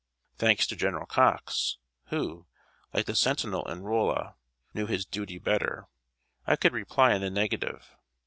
Thanks to General Cox, who, like the sentinel in Rolla, "knew his duty better," I could reply in the negative.